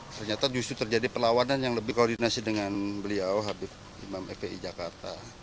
ternyata justru terjadi perlawanan yang lebih koordinasi dengan beliau habib imam fpi jakarta